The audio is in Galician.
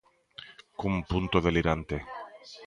Cun punto delirante.